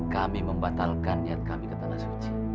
kami membatalkan niat kami ke tanah suci